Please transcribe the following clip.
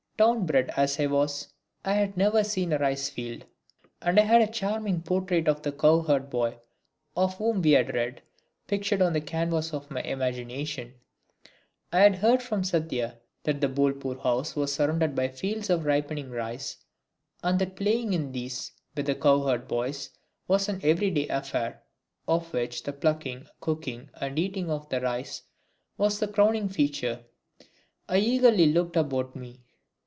Town bred as I was, I had never seen a rice field, and I had a charming portrait of the cowherd boy, of whom we had read, pictured on the canvas of my imagination. I had heard from Satya that the Bolpur house was surrounded by fields of ripening rice, and that playing in these with cowherd boys was an everyday affair, of which the plucking, cooking and eating of the rice was the crowning feature. I eagerly looked about me.